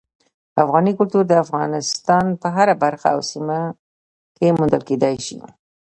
افغاني کلتور د افغانستان په هره برخه او سیمه کې موندل کېدی شي.